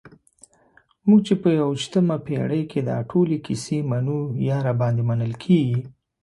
موږ چې په یویشتمه پېړۍ کې دا ټولې کیسې منو یا راباندې منل کېږي.